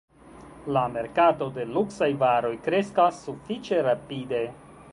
La merkato de luksaj varoj kreskas sufiĉe rapide.